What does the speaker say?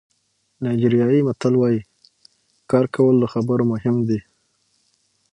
نایجیریايي متل وایي کار کول له خبرو مهم دي.